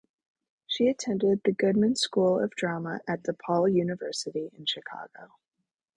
She attended the Goodman School of Drama at DePaul University in Chicago.